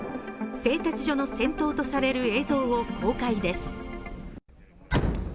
製鉄所の戦闘とされる映像を公開です。